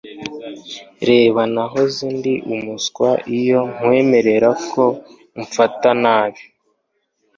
reba, nahoze ndi umuswa iyo nkwemereye ko umfata nabi